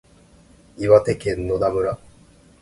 岩手県野田村